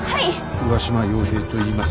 上嶋陽平といいます。